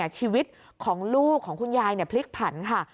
ชีวิตของลูกของคุณยายพลิกผันค่ะ